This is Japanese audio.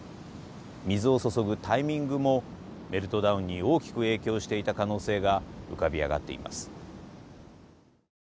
水を注ぐタイミングもメルトダウンに大きく影響していた可能性が浮かび上がっています。